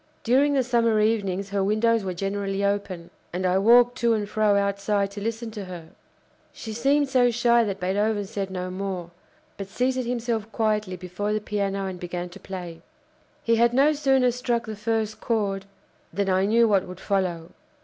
During the summer evenings her windows were generally open, and I walked to and fro outside to listen to her." She seemed so shy that Beethoven said no more, but seated himself quietly before the piano and began to play. He had no sooner struck the first chord than I knew what would follow.